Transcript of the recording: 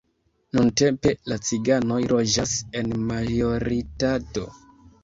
Nuntempe la ciganoj loĝas en majoritato.